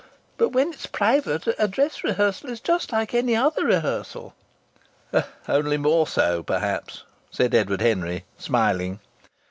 But when it's private a dress rehearsal is just like any other rehearsal." "Only more so perhaps," said Edward Henry, smiling.